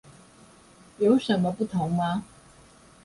有什麼不同嗎？